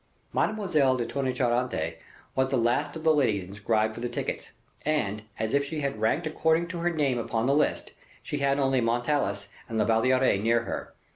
Mademoiselle de Tonnay Charente was the last of the ladies inscribed for tickets; and, as if she had ranked according to her name upon the list, she had only Montalais and La Valliere near her.